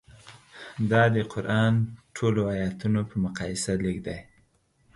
دا د قران ټولو ایتونو په مقایسه لږ دي.